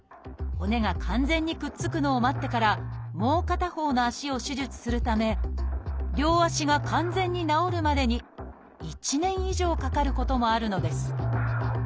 骨が完全にくっつくのを待ってからもう片方の足を手術するため両足が完全に治るまでに１年以上かかることもあるのです。